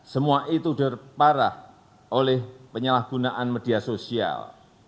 semua itu terparah oleh penyalahgunaan media sosial